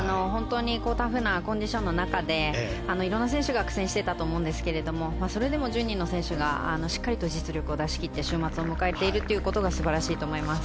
タフなコンディションの中でいろんな選手が苦戦していたと思うんですけれどもそれでも１０人の選手がしっかりと実力を出して週末を迎えているということが素晴らしいと思います。